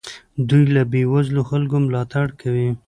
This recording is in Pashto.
دوی له بې وزلو خلکو ملاتړ کوي.